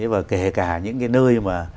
và kể cả những nơi